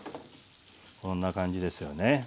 こんな感じですよね。